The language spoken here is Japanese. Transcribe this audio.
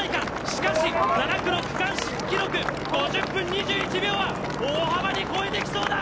しかし、７区の区間新記録５０分２１秒は大幅に超えてきそうだ！